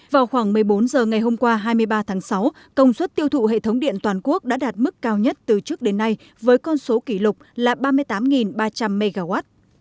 vào khoảng một mươi bốn h ngày hôm qua hai mươi ba tháng sáu công suất tiêu thụ hệ thống điện toàn quốc đã đạt mức cao nhất từ trước đến nay với con số kỷ lục là ba mươi tám ba trăm linh mw